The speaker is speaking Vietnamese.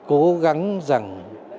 cố gắng rằng